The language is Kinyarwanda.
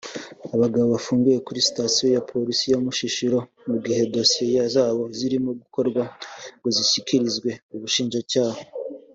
Aba bagabo bafungiwe kuri Sitasiyo ya Polisi ya Mushishiro mu gihe Dosiye zabo zirimo gukorwa ngo zishyikirizwe Ubushinjacyaha